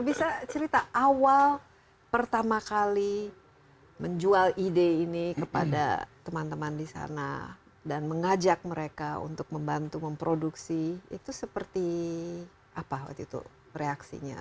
bisa cerita awal pertama kali menjual ide ini kepada teman teman di sana dan mengajak mereka untuk membantu memproduksi itu seperti apa waktu itu reaksinya